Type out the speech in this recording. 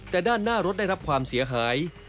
แต่ด้านหน้ารถได้รับความเสียหาย